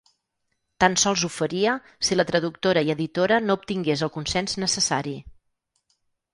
Tan sols ho faria si la traductora i editora no obtingués el consens necessari.